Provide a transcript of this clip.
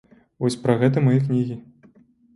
Вось пра гэта мае кнігі.